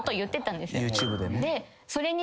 ＹｏｕＴｕｂｅでね。